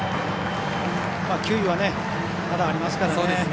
球威はまだありますから。